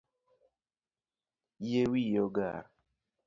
Yie wiyi ogar